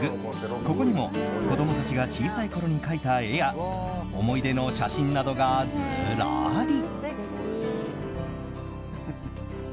ここにも子供たちが小さいころに描いた絵や思い出の写真などがずらり。